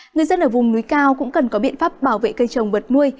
người dân ở vùng núi cao cũng cần có biện pháp bảo vệ cây trồng vật nuôi